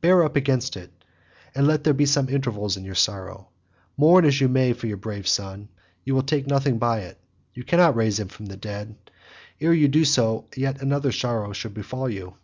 Bear up against it, and let there be some intervals in your sorrow. Mourn as you may for your brave son, you will take nothing by it. You cannot raise him from the dead, ere you do so yet another sorrow shall befall you."